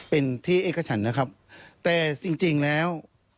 เป็นที่เอกฉันนะครับแต่จริงจริงแล้ว